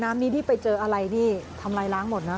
น้ำนี้ที่ไปเจออะไรนี่ทำลายล้างหมดนะ